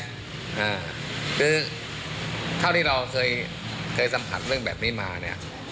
คือเท่าที่เราเคยเคยสัมผัสเรื่องแบบนี้มาเนี่ย